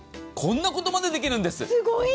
こんなことまでできるんです。